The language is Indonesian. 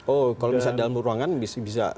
oh kalau misalnya dalam ruangan bisa